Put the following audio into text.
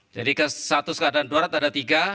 jadi ke status keadaan daurat ada tiga